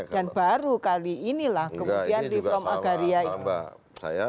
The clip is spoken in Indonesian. dan baru kali inilah kemudian reform agraria itu